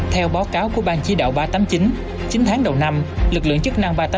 theo báo cáo của ban chỉ đạo ba trăm tám mươi chín chín tháng đầu năm lực lượng chức năng ba trăm tám mươi